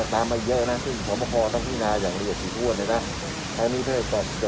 มันมีขอยกเล่นทีมมาตรกันอยู่แต่จะต้องอยู่ในกรอบที่เราประหนด